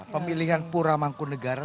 pemilihan pura mangkun negara